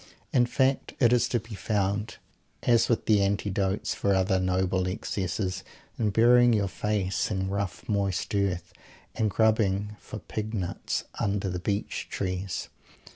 In fact, it is to be found, as with the antidotes for other noble excesses, in burying your face in rough moist earth; and grubbing for pig nuts under the beech trees.